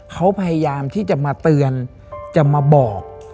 เขาพยายามที่จะมาเตือนจะมาบอก